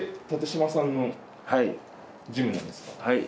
はい